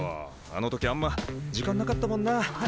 あの時あんま時間なかったもんなあ。